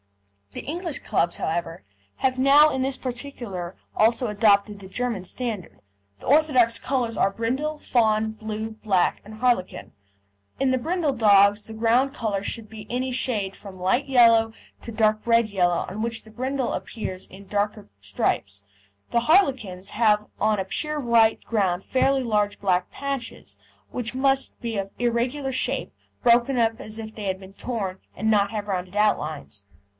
The English clubs, however, have now in this particular also adopted the German standard. The orthodox colours are brindle, fawn, blue, black, and harlequin. In the brindle dogs the ground colour should be any shade from light yellow to dark red yellow on which the brindle appears in darker stripes. The harlequins have on a pure white ground fairly large black patches, which must be of irregular shape, broken up as if they had been torn, and not have rounded outlines.